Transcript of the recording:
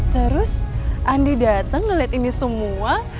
terus andi dateng ngeliat ini semua